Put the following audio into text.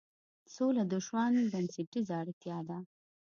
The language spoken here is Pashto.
سوله د ژوند بنسټیزه اړتیا ده